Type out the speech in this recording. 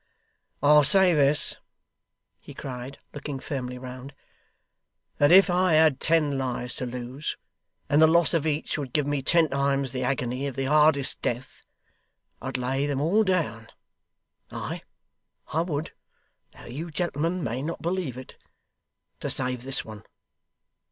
'I'll say this,' he cried, looking firmly round, 'that if I had ten lives to lose, and the loss of each would give me ten times the agony of the hardest death, I'd lay them all down ay, I would, though you gentlemen may not believe it to save this one.